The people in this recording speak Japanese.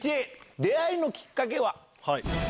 出会いのきっかけは？